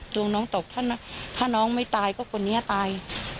ดวงน้องตกถ้าน้องไม่ตายก็คนนี้ตาย